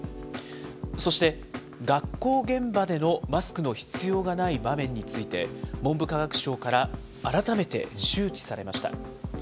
そして、学校現場でのマスクの必要がない場面について、文部科学省から改めて周知されました。